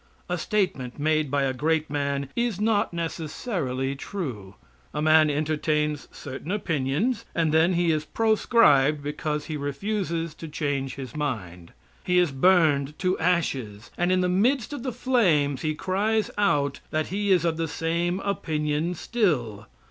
A statement made by a great man is not necessarily true. A man entertains certain opinions, and then he is proscribed because he refuses to change his mind. He is burned to ashes, and in the midst of the flames he cries out that he is of the same opinion still.